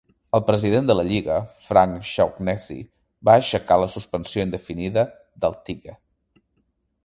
El president de la lliga, Frank Shaughnessy, va aixecar la suspensió indefinida de Tighe.